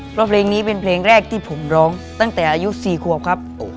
เพราะเพลงนี้เป็นเพลงแรกที่ผมร้องตั้งแต่อายุ๔ขวบครับ